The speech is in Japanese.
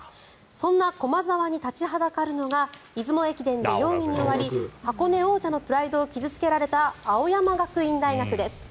そんな駒澤に立ちはだかるのが出雲駅伝で４位に終わり箱根王者のプライドを傷付けられた青山学院大学です。